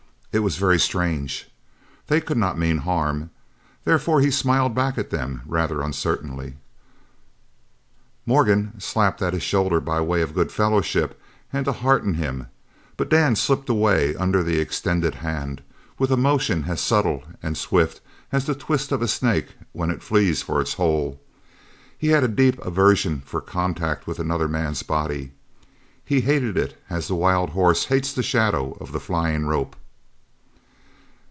It was very strange. They could not mean harm. Therefore he smiled back at them rather uncertainly. Morgan slapped at his shoulder by way of good fellowship and to hearten him, but Dan slipped away under the extended hand with a motion as subtle and swift as the twist of a snake when it flees for its hole. He had a deep aversion for contact with another man's body. He hated it as the wild horse hates the shadow of the flying rope.